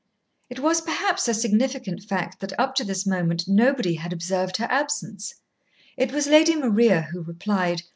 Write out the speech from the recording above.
It was perhaps a significant fact that up to this moment nobody had observed her absence. It was Lady Maria who replied.